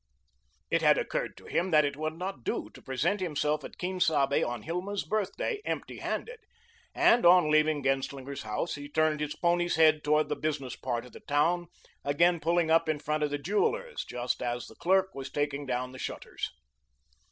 It had occurred to him that it would not do to present himself at Quien Sabe on Hilma's birthday, empty handed, and, on leaving Genslinger's house, he turned his pony's head toward the business part of the town again pulling up in front of the jeweller's, just as the clerk was taking down the shutters.